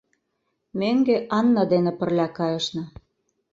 Мӧҥгӧ Анна дене пырля кайышна.